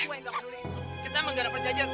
kita gak ada perjanjian